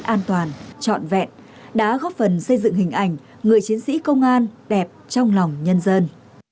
an toàn trọn vẹn đã góp phần xây dựng hình ảnh người chiến sĩ công an đẹp trong lòng nhân dân